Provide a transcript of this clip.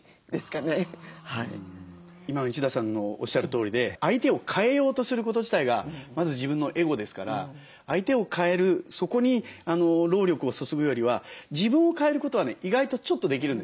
今の一田さんのおっしゃるとおりで相手を変えようとすること自体がまず自分のエゴですから相手を変えるそこに労力を注ぐよりは自分を変えることはね意外とちょっとできるんですよ。